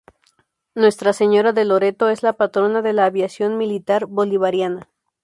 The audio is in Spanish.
Nuestra Señora de Loreto, es la Patrona de la Aviación Militar Bolivariana.